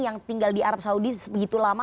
yang tinggal di arab saudi begitu lama